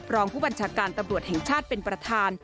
รองผู้บัญชาการตำรวจแห่งชาติเป็นประธาน